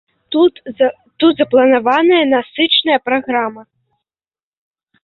Тут запланаваная насычаная праграма.